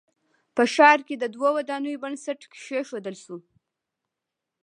په ښار کښې د دوو ودانیو بنسټ کېښودل شو